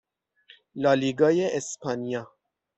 لالیگای اسپانیا